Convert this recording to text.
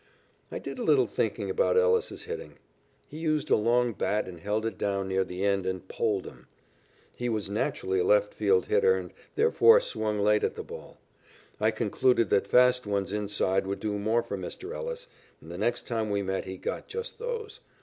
I did a little thinking about Ellis's hitting. He used a long bat and held it down near the end and "poled 'em." He was naturally a left field hitter and, therefore, swung late at the ball. I concluded that fast ones inside would do for Mr. Ellis, and the next time we met he got just those.